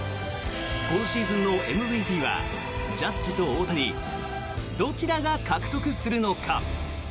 今シーズンのＭＶＰはジャッジと大谷どちらが獲得するのか。